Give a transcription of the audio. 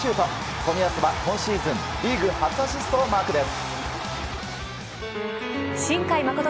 冨安は今シーズンリーグ初アシストをマークです。